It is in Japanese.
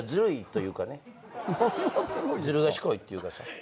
ずる賢いっていうかさ。